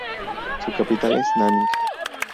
Su capital es Nanning.